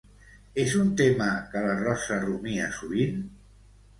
És un tema que la Rosa rumia sovint?